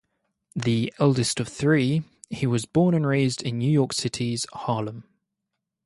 The eldest of three, he was born and raised in New York City's Harlem.